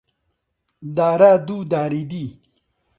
دارا دوو داری دی